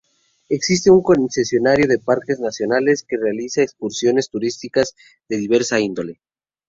Existe un concesionario de Parques Nacionales que realiza excursiones turísticas de diversa índole.